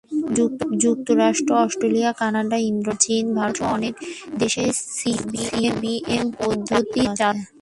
যুক্তরাষ্ট্র, Australia, Canada, Indonesia, চীন, ভারতসহ অনেক দেশেই সিবিএম পদ্ধতি চালু আছে।